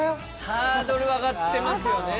ハードル上がってますよね。